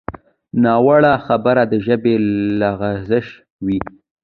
ناوړه خبره د ژبې لغزش وي